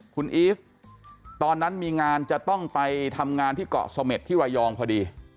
คุณอีฟตอนนั้นมีงานจะต้องไปทำงานที่เกาะเสม็ดที่ระยองพอดี